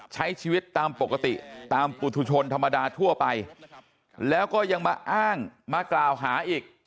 ใช้ชีวิตตามปกติตามปุธุชนธรรมดาทั่วไปแล้วก็ยังมาอ้างมากล่าวหาอีก